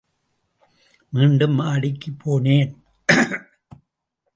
மீண்டும் மாடிக்குப் போனேன்.